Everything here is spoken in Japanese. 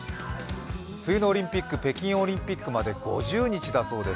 冬のオリンピック、北京オリンピックまで５０日だそうです。